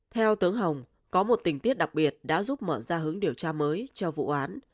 theo tướng hồng có một tình tiết đặc biệt đã giúp mở ra hướng điều tra mới cho vụ án